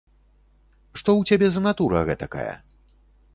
Што ў цябе за натура гэтакая?